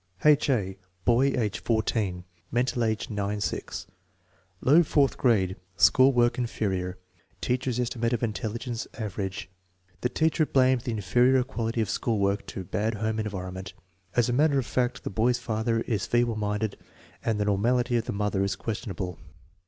H. A. Boy, age 14; mental age 9 6; low fourth grade; school work "inferior"; teacher's estimate of intelligence "average." The teacher blamed the inferior quality of school work to "bad home environ ment." As a matter of fact, the boy's father is feeble minded and the normality of the mother is questionable.